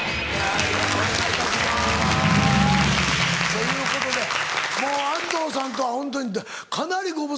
ということでもう安藤さんとはホントにかなりご無沙汰。